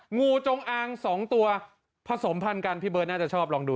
งูจงอางสองตัวผสมพันธุ์กันพี่เบิร์ตน่าจะชอบลองดู